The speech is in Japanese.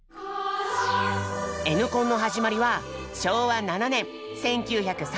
「Ｎコン」の始まりは昭和７年１９３２年。